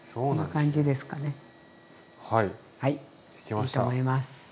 いいと思います。